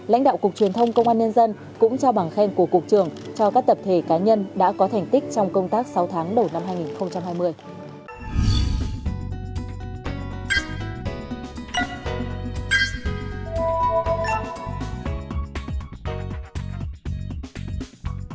lãnh đạo cục truyền thông công an nhân dân cũng trao bằng khen của cục trưởng cho các tập thể cá nhân đã có thành tích trong công tác sáu tháng đầu năm hai nghìn hai mươi